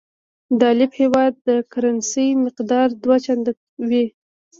د الف هیواد د کرنسۍ مقدار دوه چنده وي.